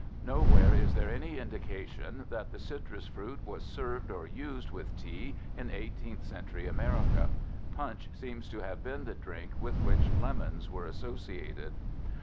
Nowhere is there any indication that the citrus fruit was served or used with tea in 18th century America. Punch seems to have been the drink with which lemons were associated.